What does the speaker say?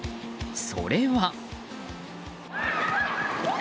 それは。